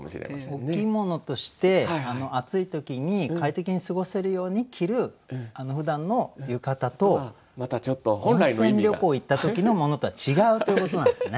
お着物として暑い時に快適に過ごせるように着るふだんの浴衣と温泉旅行行った時のものとは違うということなんですね。